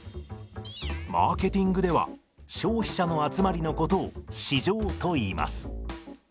マーケティングでは消費者の集まりのことを市場といいます。